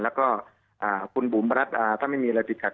แล้วก็คุณบุ๋มประนัดดาถ้าไม่มีอะไรติดขัด